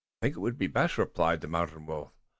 "I think it would be best," replied the Mountain Wolf.